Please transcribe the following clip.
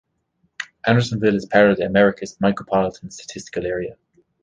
Andersonville is part of the Americus Micropolitan Statistical Area.